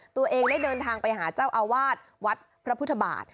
ตัวเองได้เดินทางไปหาเจ้าอาวาสวัดพระพุทธบาท